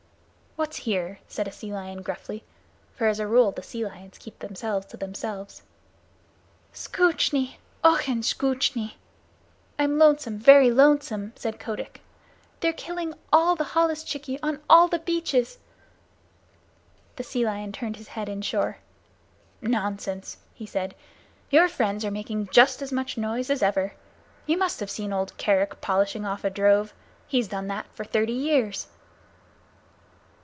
"What's here?" said a sea lion gruffly, for as a rule the sea lions keep themselves to themselves. "Scoochnie! Ochen scoochnie!" ("I'm lonesome, very lonesome!") said Kotick. "They're killing all the holluschickie on all the beaches!" The Sea Lion turned his head inshore. "Nonsense!" he said. "Your friends are making as much noise as ever. You must have seen old Kerick polishing off a drove. He's done that for thirty years."